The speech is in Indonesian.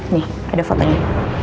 nih ada fotonya